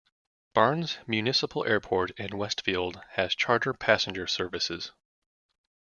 Barnes Municipal Airport in Westfield has charter passenger services.